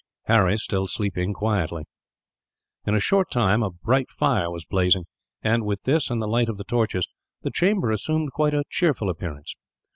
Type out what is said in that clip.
Harry still sleeping quietly. In a short time a bright fire was blazing and, with this and the light of the torches, the chamber assumed quite a cheerful appearance.